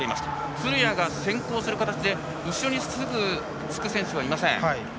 古屋が先行する形で後ろにすぐつく選手はいません。